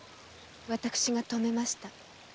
私がとめました。